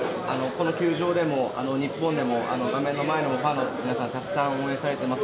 この球場でも、日本でも、画面の前のファンの皆さん、たくさん応援されてます。